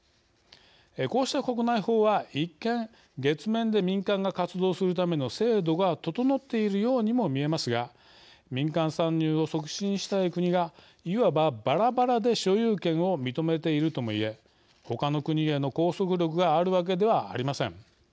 こうした国内法は一見月面で民間が活動するための制度が整っているようにも見えますが民間参入を促進したい国がいわば、ばらばらで所有権を認めているとも言え他の国への拘束力があるわけではありません。